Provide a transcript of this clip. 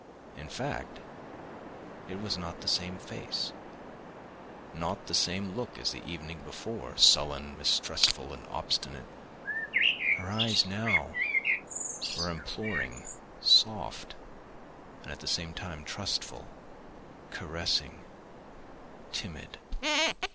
In fact, it was not the same face, not the same look as the evening before: sullen, mistrustful and obstinate. Her eyes now were imploring, soft, and at the same time trustful, caressing, timid.